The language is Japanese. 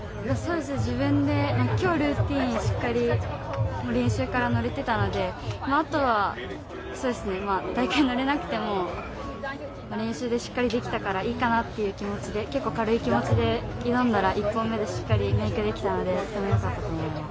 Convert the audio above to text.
自分で今日ルーティンを、練習からしっかり乗れてたので、あとはのれなくても、練習でしっかりできたからいいかなと思ったんですけど、結構軽い気持ちで挑んだら、１本目でしっかりメイクできたのでよかったと思います。